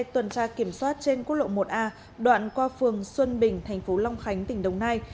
tuần tra kiểm soát trên quốc lộ một a đoạn qua phường xuân bình thành phố long khánh tỉnh đồng nai